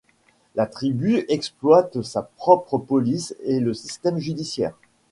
La tribu exploite sa propre police et le système judiciaire.